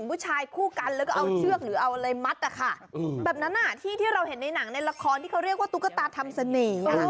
แบบนั้นอ่ะที่เราเห็นในหนังในละครที่เขาเรียกว่าตุ๊กตาทำเสน่ห์